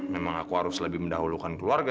memang aku harus lebih mendahulukan keluarga